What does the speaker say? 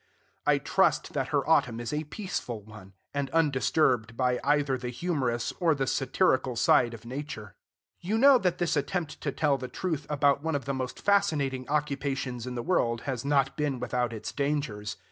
I trust that her autumn is a peaceful one, and undisturbed by either the humorous or the satirical side of Nature. You know that this attempt to tell the truth about one of the most fascinating occupations in the world has not been without its dangers.